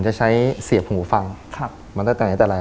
มันแต่ไหนแต่ไหนละ